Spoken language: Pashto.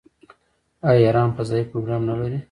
آیا ایران فضايي پروګرام نلري؟